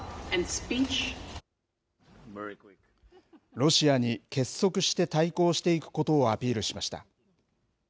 ロシアに結束して対抗していくことをアピールしました。